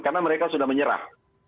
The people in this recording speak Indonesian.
karena mereka sudah menyerah